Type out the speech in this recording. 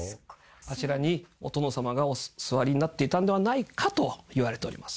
あちらにお殿様がお座りになっていたんではないかといわれております。